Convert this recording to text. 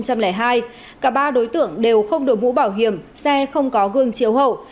cả ba đối tượng đều không đổi vũ bảo hiểm xe không có gương chiếu hậu